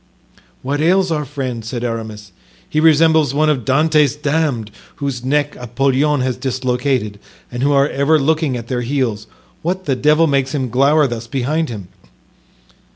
"What ails our friend?" said Aramis, "he resembles one of Dante's damned, whose neck Apollyon has dislocated and who are ever looking at their heels. What the devil makes him glower thus behind him?"